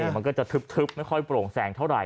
มันก็จะทึบไม่ค่อยโปร่งแสงเท่าไห